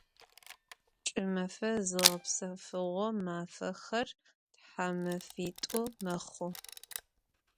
Ç'ımefe zığepsefığo mafexer thamefit'u mexhu.